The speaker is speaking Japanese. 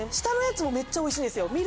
下のやつもめっちゃおいしいんですよ。